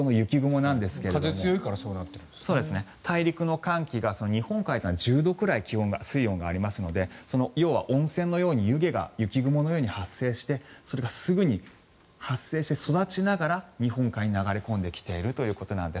大陸の寒気が、日本海が１０度くらい水温がありますので要は温泉のように湯気が雪雲のように発生してそれが発生してすぐに育ちながら日本海に流れ込んできているということです。